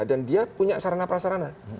dan dia punya sarana prasarana